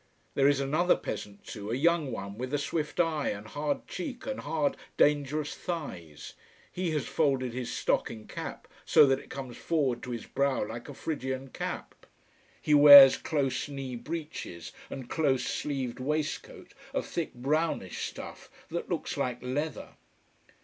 There is another peasant too, a young one with a swift eye and hard cheek and hard, dangerous thighs. He has folded his stocking cap, so that it comes forward to his brow like a phrygian cap. He wears close knee breeches and close sleeved waistcoat of thick brownish stuff that looks like leather.